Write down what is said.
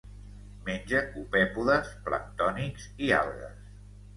Menja copèpodes planctònics i algues.